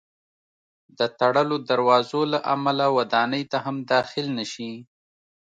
د تړلو دروازو له امله ودانۍ ته هم داخل نه شي.